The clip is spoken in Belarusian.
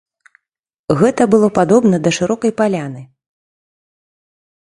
Гэта было падобна да шырокай паляны.